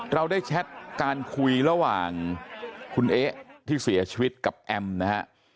เราได้แชทการคุยระหว่างคุณเอ๊ะที่เสียชีวิตกับแอมนะฮะ